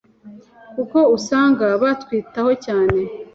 kuko usanga batwitaho cyane